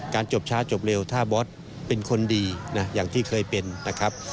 จบช้าจบเร็วถ้าบอสเป็นคนดีนะอย่างที่เคยเป็นนะครับ